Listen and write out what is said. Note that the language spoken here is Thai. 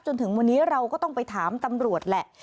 จนถึงวันนี้เราก็ต้องไปถามตำรวจแหละ